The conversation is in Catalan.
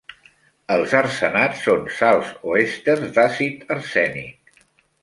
Els arsenats són sals o èsters d'àcid arsènic.